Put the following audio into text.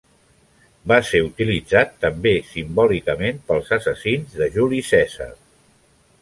Va ser utilitzat també simbòlicament pels assassins de Juli Cèsar.